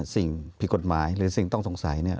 สิ่งผิดกฎหมายหรือสิ่งต้องสงสัยเนี่ย